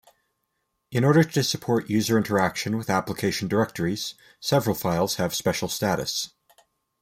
In order to support user interaction with application directories, several files have special status.